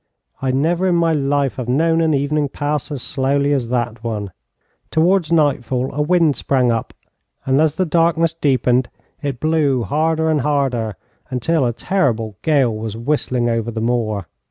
I never in my life have known an evening pass as slowly as that one. Towards nightfall a wind sprang up, and as the darkness deepened it blew harder and harder, until a terrible gale was whistling over the moor.